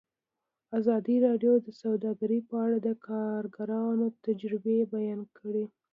ازادي راډیو د سوداګري په اړه د کارګرانو تجربې بیان کړي.